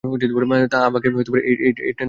আ-আমাকে এই ট্রেন থেকে নামতে হবে।